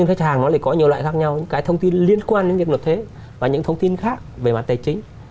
khách hàng nó lại có nhiều loại khác nhau những cái thông tin liên quan đến việc nộp thuế và những thông tin khác về mặt tài chính